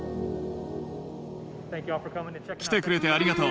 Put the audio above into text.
来てくれてありがとう。